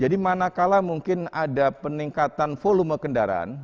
jadi mana kala mungkin ada peningkatan volume kendaraan